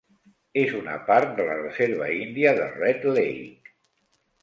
És una part de la reserva índia de Red Lake.